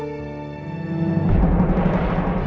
ini sudah lama